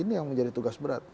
ini yang menjadi tugas berat